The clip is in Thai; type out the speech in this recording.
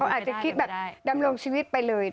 อาจจะคิดแบบดำรงชีวิตไปเลย